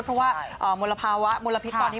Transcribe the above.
เพราะว่ามลภาวะมลพิษตอนนี้